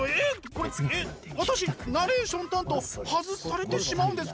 これえっ私ナレーション担当外されてしまうんですか？